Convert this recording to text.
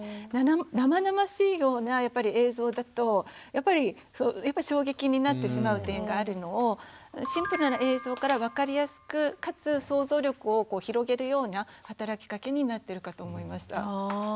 生々しいような映像だとやっぱり衝撃になってしまう点があるのをシンプルな映像から分かりやすくかつ想像力を広げるような働きかけになってるかと思いました。